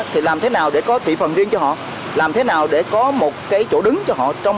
thì làm thế nào để có thị phần riêng cho họ làm thế nào để có một cái chỗ đứng cho họ